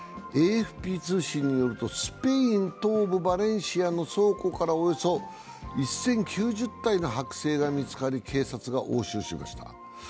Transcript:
ＡＦＰ通信によると、スペイン東部バレンシアの倉庫からおよそ１０９０体のはく製が見つかり警察が押収しました。